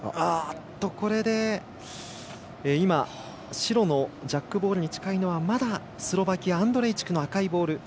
白のジャックボールに近いのはスロバキアアンドレイチクの赤いボール。